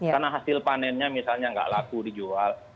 karena hasil panennya misalnya tidak laku dijual